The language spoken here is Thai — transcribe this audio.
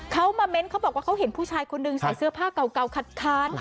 เขามาเม้นเขาบอกว่าเขาเห็นผู้ชายคนหนึ่งใส่เสื้อผ้าเก่าคัดค้าน